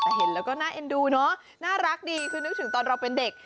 แต่เห็นแล้วก็น่าเอ็นดูเนอะน่ารักดีคือนึกถึงตอนเราเป็นเด็ก